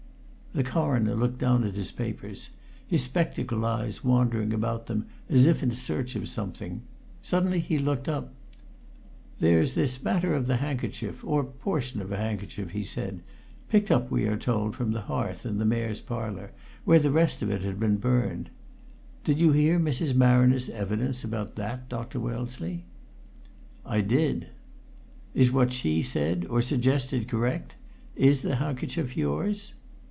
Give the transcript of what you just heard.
The Coroner looked down at his papers, his spectacled eyes wandering about them as if in search of something. Suddenly he looked up. "There's this matter of the handkerchief, or portion of a handkerchief," he said. "Picked up, we are told, from the hearth in the Mayor's Parlour, where the rest of it had been burned. Did you hear Mrs. Marriner's evidence about that, Dr. Wellesley?" "I did!" "Is what she said, or suggested, correct? Is the handkerchief yours?"